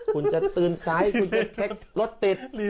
คุณจะตื่นซ้ายคุณจะเช็ครถติด